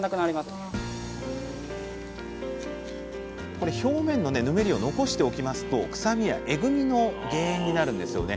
この表面のぬめりを残しておきますと臭みやえぐみの原因になるんですよね。